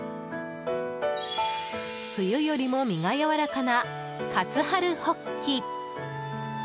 冬よりも身がやわらかな活春ホッキ。